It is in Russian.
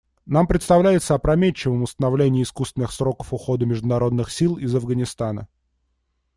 Нам представляется опрометчивым установление искусственных сроков ухода международных сил из Афганистана.